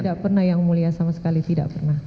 tidak pernah yang mulia sama sekali tidak pernah